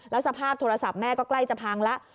สภาพโทรศัพท์แม่ก็ใกล้จะพังแล้ว